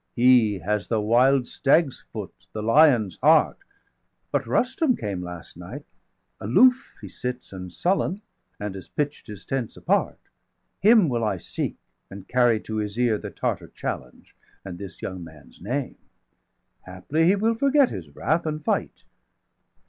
He has the wild stag's foot, the lion's heart.° °177 But Rustum came last night; aloof he sits° °178 And sullen, and has pitch'd his tents apart. Him will I seek, and carry to his ear 180 The Tartar challenge, and this young man's name. Haply he will forget his wrath, and fight.